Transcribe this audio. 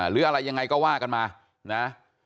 หรืออะไรยังไงก็ว่ากันมานะ